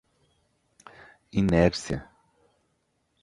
inércia